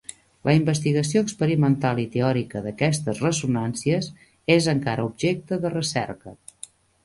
La investigació experimental i teòrica d'aquestes ressonàncies és encara objecte de recerca.